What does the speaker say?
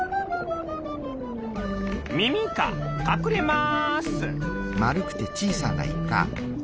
「ミミイカかくれます！」。